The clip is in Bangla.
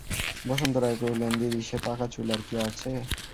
বসন্ত রায় কহিলেন, দিদি সে পাকাচুল কি আর আছে?